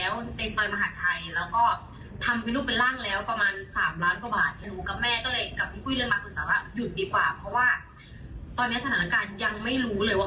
ว่าโอเคตรงนั้นที่ลงทุนไปคือทิ้งทิ้งไปเลย